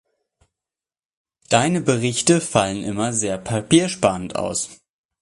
Deine Berichte fallen immer sehr papiersparend aus.